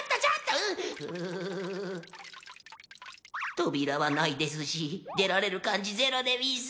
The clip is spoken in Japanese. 扉はないですし出られる感じゼロでうぃす。